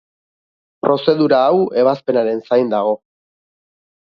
Prozedura hau ebazpenaren zain dago.